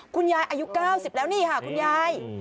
คุณยายอายุ๙๐แล้วนี่ค่ะคุณยาย